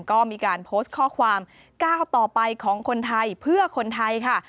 ก็มีการโพสต์ข้อความก้าวต่อไปของคนไทยเพื่อคนไทยค่ะ